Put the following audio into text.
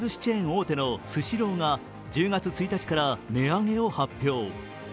大手のスシローが１０月１日から値上げを発表。